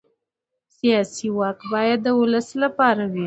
سیاسي واک باید د ولس لپاره وي